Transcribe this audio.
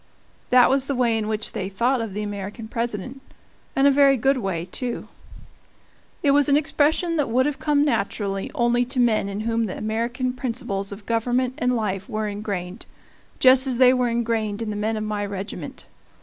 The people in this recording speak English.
That was the way in which they thought of the American President and a very good way, too. It was an expression that would have come naturally only to men in whom the American principles of government and life were ingrained, just as they were ingrained in the men of my regiment.